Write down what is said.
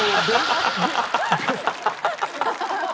ハハハハ！